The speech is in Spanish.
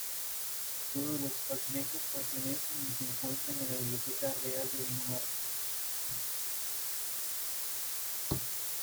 Todos los fragmentos pertenecen y se encuentran en la Biblioteca Real de Dinamarca.